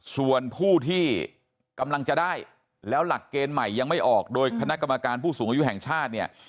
ส่วนผู้ที่กำลังจะได้แล้วหลักเกณฑ์ใหม่ยังไม่ออกโดยคณะกรรมการผู้สูงอายุแห่งชาติเนี่ย